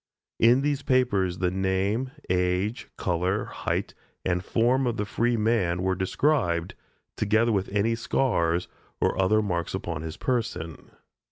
In these papers the name, age, color, height, and form of the free man were described, together with any scars or other marks upon his person.